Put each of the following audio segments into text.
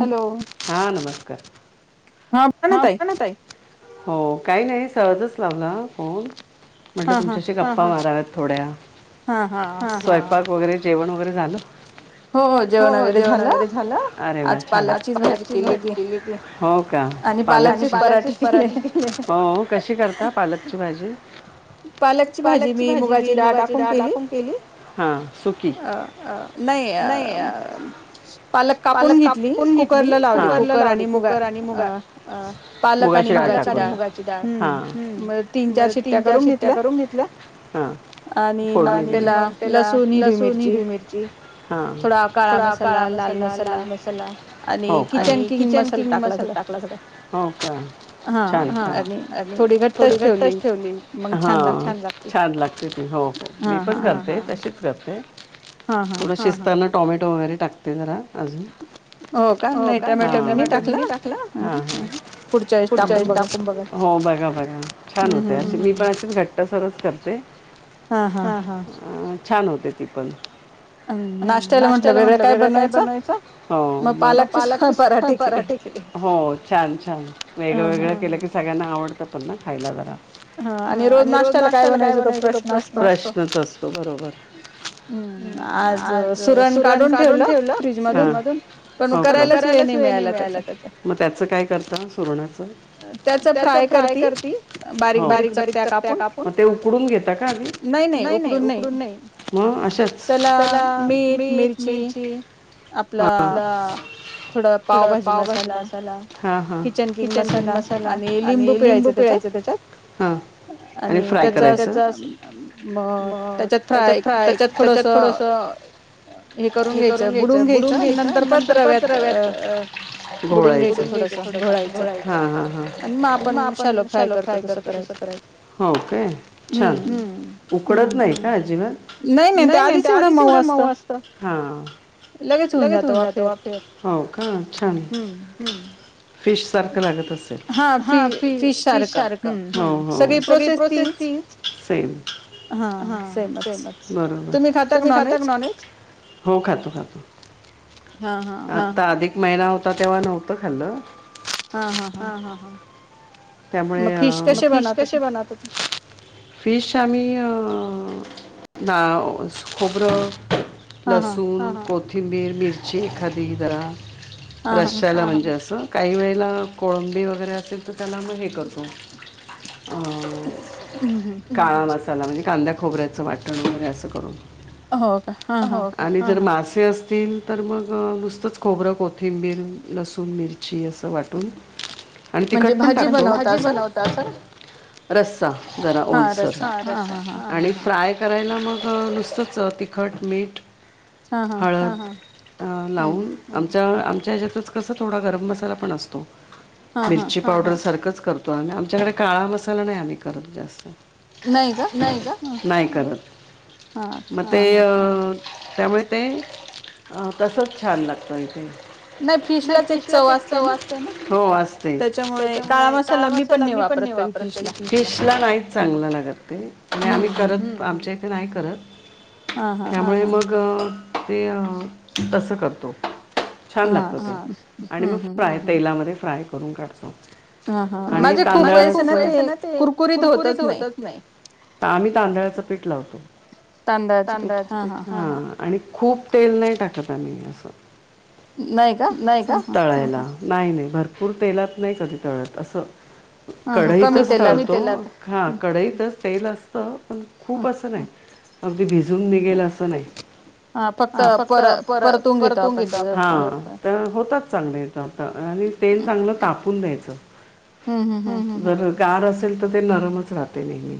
Hello हा नमस्कार हा पण हो काही नाही सहजच लावला फोन म्हटलं तुमच्याशी गप्पा वााराव्यात थोड्या हा स्वयंपाक वगैरे जेवण वगैरे झालं हो जेवण वगैरे झालं अरे वा आज मा केली हो का पालक पालक पराठीे हो कशी करता पालकची भाजी पालकची भाजी मी मुगाची डाळ टाकून केली हा सुकी नाही पालक कापून घेतली कुकरला लावली कुकर आणि मुगा अाचीानी मुगाची डाळ तीन चार शिट्ट्या करून घेतल्या हा आणि मग त्याला लसू हर मिरची थोडा काळा म म लाल मसाला आणि किचन किंग मसाला टाकला स हो का छान अ थोडी घट्टच ठेवली हा छान लागते ती हो हो मी पण करते तशीच करते थोड शिस्ताना टमॅटो वगैरे टाकते जरा अजून हो का टोमॅटो मी नाही टाकला पुढच्या इ आपण बघा हो बघा बघा छान होते अ मी पण अ घट्ट सरच करते हा हा छान होते ती पण नाश्त्याला म्हंटलं वेगळं काय बनवायचं मग पालकचे पराठे केले हो छान छान वेगळं वेगळं केलं की सगळ्यांना आवडतं पण ना खायला जरा हा आणि रोज मागताला काय बनायचं तश् प्रश्नच असतो बरोबर हम्म आज सुरण काढून ठेवलं मधून पण करायलाच हेय नाही मिळाला त्या मग त्याचं काय करत सुरणाच त्याच फ्राय करती बारीक बारीक चपप्या कापून ते उकडून घेेत का आम्ही नाही नाही उकडून नाही मग अशाच त्याला मीठ मिरची आपला थोडा पावघजल असत हा हा किचन बिन मसाला आणि लिंबू पिळायच त्याच्यात हा आणि त्याच त्याच्यात त्याच्यात थोडंस हे करून घ्यायच त्यात बुडून घ्यायचं नंतर त्यांच रव्यात अ घोळायच. एक एक सोडायच घोळायच आणि म आपण शालो फ्राय करतो तस करायच. हं छान उकडत नाही का अजिबात नाही नाही आधीच एवढं मऊ असतं. लगेच होऊन जात वाफेवर हो का छान. फिश सारख लागत नाही. हा फी फीश सारख हा हा सगळी प्रोसेस तीच सेम- हा सेमच बरोबर. तुम्ही खाता का नॉनव्हेज.? हो खातो-खातो. हा हा. महिना होता तेव्हा नव्हतं खाल्ल हा ह ह. त्यामुळे म फिश कसे बनवता तुम्ही फिश. आणि बास खोबरं. लसूण, कोथिंबीर, मिरची एखादी जरा रशाला म्हणजे. तसं काही वेळेला कोळंबी वगैरे असेल तर त्याला मग हे करतो. अ काळा मसाला म्हणजे कांदा, खोबऱ्याचं वाटण. हे असं करून हो आणि जर मास हे असतील तर मग नुसतंच खोबरं कोथिंबीर लसूण. मिरची अस वाटून आणि तिखट पण टाकतो म्हणजे भाजी बनवता असं. रसा जरा ओलसर हा रसा आणि फ्राय करून. करायला मग नुसतंच तिखट मीठ. हळद लावून आमच्या आमच्या हयाच्यातच. तस थोडा गरम मसाला पण असतो मिरची पावडर सारख. करतो आम्ही आमच्याकडे काळा मसाला नाही आम्ही करत जास्त. नाही का. नाही करत मग ते अ. त्यामुळे ते तसंच छान लागतंय ते आय थिंक. नाही फिश ला ते चव असते ना. हो असते त्याच्यामुळे. काळा माश्याला मी पण नाय वापरत. डिशला नाहीच चांगला लागत ते आम्ही करत पण आमच्या इथे ते नाही करत. त्यामुळे मग ते तसं करतो. हा. आणि मग फ्राय तेलामध्ये फ्राय करून काढतो. हा आणि तांदळाच म्हणजे खूप वेळेस ना ते कुरकुरीत होतच नाही. हा आम्ही तांदळाचं पीठ लावतो. तांदळाच पीठ हा. आणि खूप तेल नाही टाकत आम्ही असं. नाही का. तळायला नाही नाही भरपूर तेलात नाही कधी तळत असं. कढईतच तळतो हा कमी तेलात कढईतच तेल असत. पण खूप असं नाही अगदी भिजून निघेल असं नाही. हा फक्त पर परतून घेतो आपण थोडस. हा होतात. चमच आणि तेल चांगलं तापून द्यायचं हम्म हम्म. गार असेल तर ते नरमच राहते नेहमी.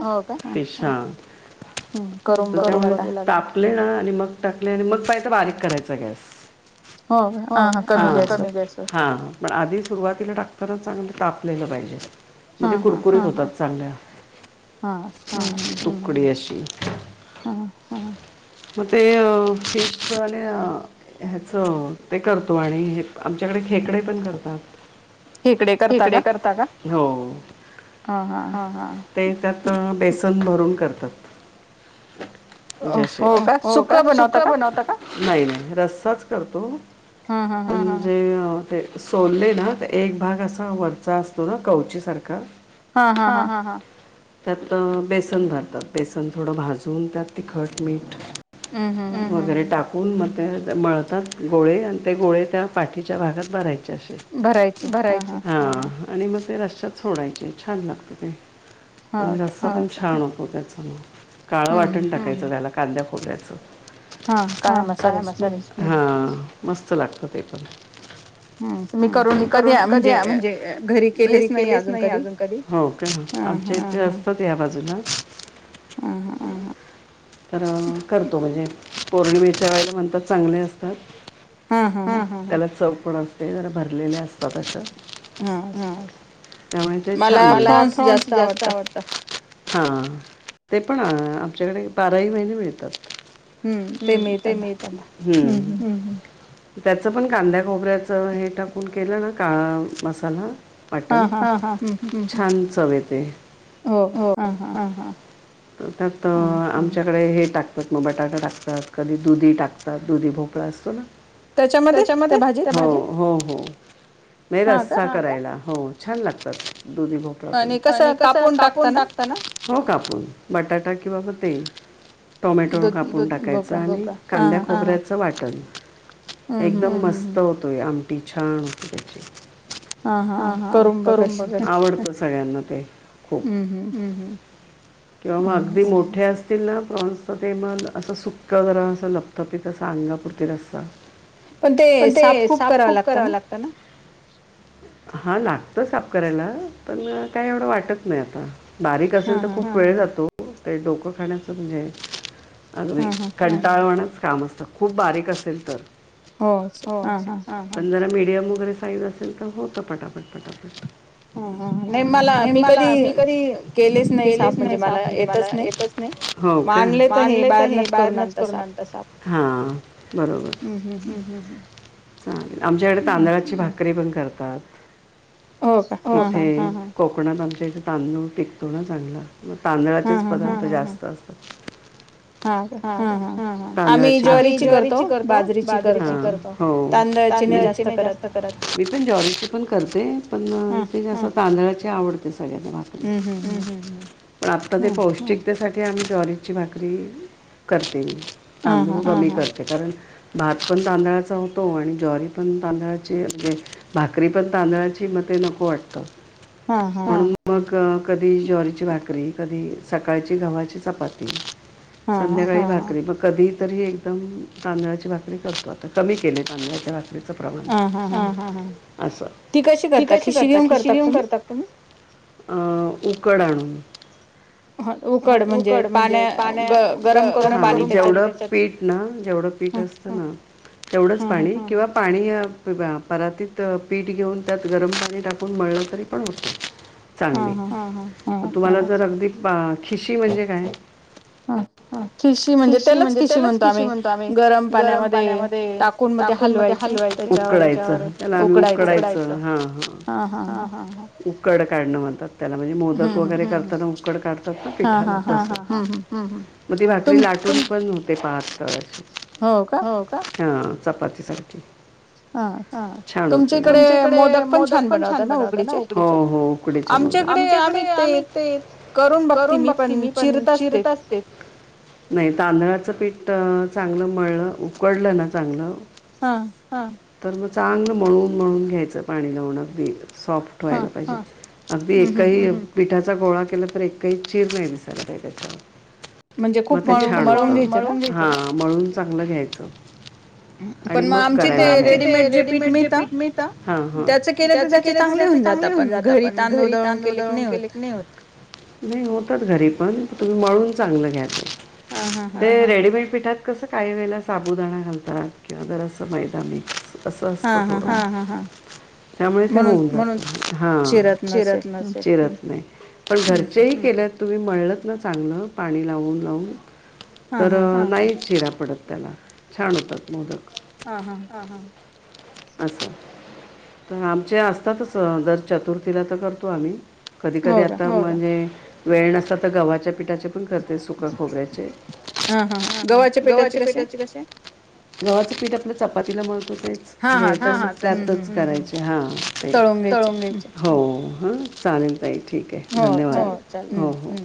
हो का फिश हा हम्म त्यामुळे तापले ना. आणि मग टाकले. आणि मग काहीसा बारीक करायचा गॅस. हो हा कमी गॅसवर पण आधी सुरुवातीला टाकताना चांगलं तापलेलं पाहिजे. मग ते कुरकुरीत होतात चांगल्या. हा तुकडी अशी. हा. मग ते फिशच आणि ह्याच. ते करतो आणि हे आमच्याकडे खेकडे पण करतात. खेकडे करता का हो. हा हा ते त्यात बेसन भरून करतात. जसे हो का सुका बनवता का. नाही-नाही रस्साच करतो म्हणजे? ते सोलले ना एक भाग असा वरचा असतो ना कवची सारखा. हा हा हा त्यात बेसन भरतात बेसन थोडं भाजून त्यात तिखट, मीठ वगैरे टाकून मग ते मळतात गोळे. ते गोळे त्या पाठीच्या भागात भरायचे असे भरायचे हा आणि म ते रस्सात सोडायचे छान लागतं ते आणि रस्ता पण छान होतो त्याच काळं वाटण टाकायचं त्याला कांद्या खोबऱ्याच हा काळ्या मसाल्याच मस्त लागत ते पण मी करून कधी अ म्हणजे घरी केलेच नाही अजून कधी. होय कायं? आमच्या इथे असतात या बा जुला तर करतो म्हणजे पौर्णिमेच्या वेळेला म्हणतात चांगले असतात. हा हा त्याला चव पण असते जरा भरलेल्या असतात अश्या हा त्यामुळे त्या छान मला फॉन्स जास्त आवडतं. हा ते पण अ आमच्याकडे बाराही महिने मिळतातं. हूं ते मिळतात हूं हूं हूं त्याचं पण कांद्या खोबऱ्याच हे टाकून केलं ना काळा मसाला वाटण हा हा खूप छान चव येते हो हा हा त त्यात आमच्याकडे हे टाकतात मग बटाटा टाकतात कधी दुधी टाकतात दुधी भोपळा असतो ना. त्याच्यामध्ये त्या भाजीत हो हो नायं रस्सा करायला हो छानं लागतात. दुधी भोपळा पण आणि कसं कापून टाकता ना. हो कापून बटाटा कींवा मग ते. टोमॅटो कापून टाकायचा आणि कांद्या खोबऱ्याचं वाटणं. एकदम मस्तं होतोयं आमटी छान होते त्याची हा हा करून बघां आवडतं सगळ्यांना. ते खूप हूं हूं किंवा म अगदी मोठे असतील ना प्रॉन्सचं ते मग असं सुक्कां जरा असं लपथपीत असं अंगापुरती रस्सा. पण ते साफ खूप करावं लागतं ना हा लागतं साफ करायला पण काय एवढं वाटत नायं आता. बारीक असेल तर खूप वेळ जातो ते डोकं खाण्याचं म्हणजे अगदी कंटाळवणच काम असतं खूप बारीक असेल तर हो हा हा पण जरा मीडियम वगैरे साईज असेल तर होत पटापट. पटापट नाही मला मी कधी केलेच नाही साफ म्हणजे मला येतच नाय. हो का म आणले तर हे बाहेरनच करून आणता साफ हा बरोबर. हूं हूं हूं चालेल हो काय हा हा कोक कोकणात आमच्या इथे तांदूळ पिकतो ना चांगला मग तांदळाचेच पदार्थ जास्त असतात. हा हा हा तांदळाची भाकर आम्ही ज्वारीची करतो. बाजरीची करतो. तांदळाची नायं जास्त करत मी पणं ज्वारीची पणं करते पणं हं इथं जास्त तांदळाची आवडते सगळ्यांना भाकरी हं हं हं पण आता ते पौष्टिकता त्यासाठी आम्ही ज्वारीची भाकरी करते तांदूळ कमी करते कारण, भात पण तांदळाचा होतो आणि ज्वारी पण तांदळाची म्हणजे भाकरी पण तांदळाची म ते ते नको वाटत मग कधी ज्वारीची भाकरी कधी सकाळची गव्हाची चपाती संध्याकाळी भाकरी म कधी तरी एकदम तांदळाची भाकरी करतो आता कमी केले तांदळाच्या भाकरी प्रमाणे असं. ती कशी करताात खिशी घेऊन करतात तुम्ही अ उकड आणून. उकड म्हणजे पाण्याेवठ थोड पीठ असत ना तर तेवढंच पाणी किंवा परातीत पीठ घेऊन त्यात गरम पाणी टाकून मळलं तरी पण होतं. चांगली तुम्हाला जर अगदी खिशी म्हणजे काय? ह खिशी म्हणजे त्यालाच खिशी म्हणतो आम्ही गरम पाण्यामध्ये टाकून म ते हलवायचं उकडयचं त्याला आम् उकडायच हा. हा हा ह उकड का? त्याला म्हणजे मोदक वगैरे करताना उकड काढतात पिठाला मग ती भाकरी ला. पण नव्हते पाहत. हो का? हां चपाती, सब्जी हा छान हो तुमच्याकडे मोदक पण छान बनवत ना उ हो उकडीचे मोदक. आमच्याकडे आम्ही ते करून बघती मी पण चिरताच ते नाही तन. त्या पीठ चांगलं मळलं उकडलं ना चांगलं. तर मग चांगलं मळून मळून घ्यायचं पाणी लावण्यात ब सॉफ्ट व्हायला पाहिजे अगदी एही पिठा चा गोळा केला तर एकही चचीर नाही दिसाला त्याच्यावर मग त्या छड हा मळून चांगलं घ्यायचं. आ रेमेड पठ त्या चांगले होऊन जात पण घरी तांदळ दळून केले की नाही होत. नाही होतात घरी पण तुम्ही मळून च रेडमेड पठ कस काय वे साबुदाणा घालतात किंवा जरा असं मैदा मिक्स असं असतं थोडं. त्यामुळे ते होऊन हा चिरत नाही. पण घरचेही केल्यात. तुम्ही मळलंत ना चांगलं पाणी लावून लावून तर नाही चिराप पडत त्याला छान होतात मोदक. हा हा. असचा तर आमचे असतातच जर चतुर्थीला तर करतो आम्ही कधी कधी आता म्हणजे वेळ नस तर गव्हाच्या पिठाचे पण कर. ख खोग्याचे गव्हाच्या पेटाचे क गव्हाचं पीठ आपलं चपातीला म घ्याय त्यातच करायचे हा ते हो. हा चालेल तईल ठीक आहे धन्यवाद हो हो.